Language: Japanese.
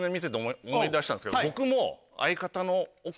僕も。